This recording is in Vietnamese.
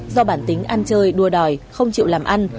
do bản tính ăn chơi đua đòi không chịu làm ăn